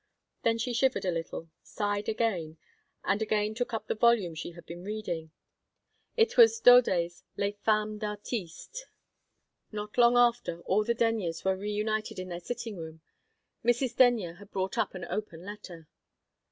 Then she shivered a little, sighed again, and again took up the volume she had been reading. It was Daudet's "Les Femmes d'Artistes." Not long after, all the Denyers were reunited in their sitting room. Mrs. Denyer had brought up an open letter.